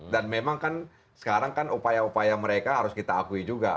dan memang kan sekarang kan upaya upaya mereka harus kita akui juga